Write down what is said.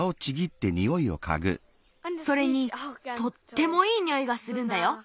それにとってもいいにおいがするんだよ。